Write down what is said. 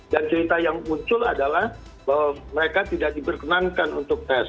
dan cerita yang muncul adalah bahwa mereka tidak diperkenankan untuk tes